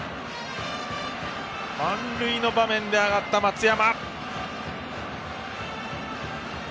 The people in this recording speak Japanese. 満塁の場面で上がった松山。